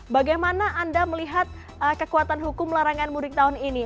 bagaimana anda melihat kekuatan hukum larangan mudik tahun ini